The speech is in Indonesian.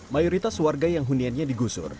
mayoritas warga yang huniannya digusur